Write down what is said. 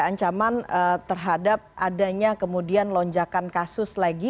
ancaman terhadap adanya kemudian lonjakan kasus lagi